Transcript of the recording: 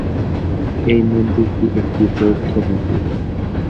এই মন্দিরটি একটি বৌদ্ধ মন্দির।